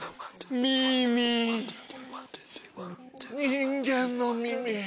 人間の耳。